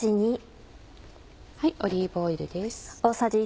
オリーブオイルです。